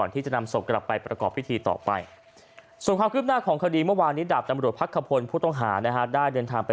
แต่จะถามว่าทำตำแหน่งอะไรก็ไม่รู้เหมือนกันนะ